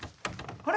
あれ？